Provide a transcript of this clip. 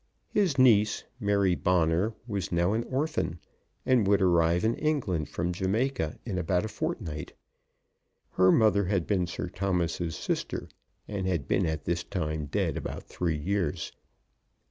His niece, Mary Bonner, was now an orphan, and would arrive in England from Jamaica in about a fortnight. Her mother had been Sir Thomas's sister, and had been at this time dead about three years.